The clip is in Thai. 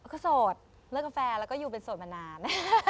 ก็โสดเลิกกาแฟแล้วก็อยู่เป็นโสดมานาน